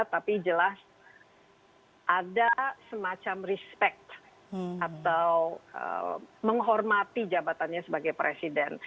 tapi jelas ada semacam respect atau menghormati jabatannya sebagai presiden